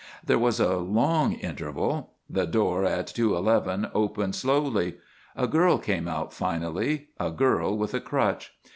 There was a long interval. The door at 211 opened, slowly. A girl came out, finally; a girl with a crutch.